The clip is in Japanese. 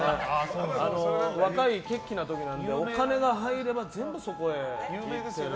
若い血気な時なんでお金が入れば全部、そこへ行って。